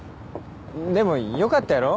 でも良かったやろ？